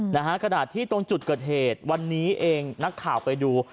นะฮะขณะที่ตรงจุดเกิดเหตุวันนี้เองนักข่าวไปดู